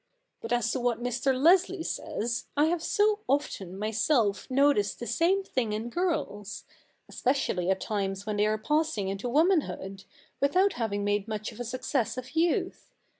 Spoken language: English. But as to what Mr. Leslie says, I have so often myself noticed the same thing in girls — especially at times when they are passing into womanhood, without having made much of a success of youth.